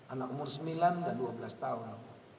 anak umur sembilan dan dua belas tahun